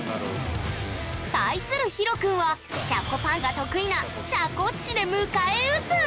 対するひろくんはシャコパンチが得意な「シャコッチ」で迎え撃つ！